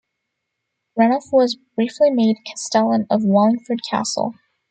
Ranulf was briefly made castellan of Wallingford Castle.